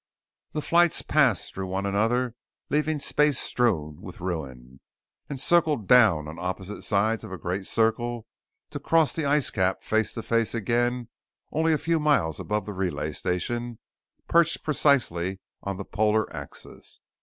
The flights passed through one another leaving space strewn with ruin; and circled down on opposite sides of a great circle to cross the ice cap face to face again only a few miles above the relay station perched precisely on the polar axis.